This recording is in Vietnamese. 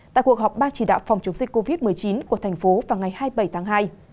tại cuộc họp ban chỉ đạo phòng chống dịch covid một mươi chín của thành phố vào ngày hai mươi bảy tháng hai